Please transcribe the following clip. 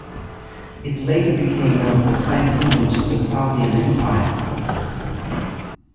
It later became one of the client kingdoms of the Parthian empire.